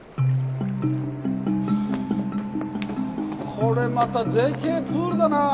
これまたでけえプールだなあ。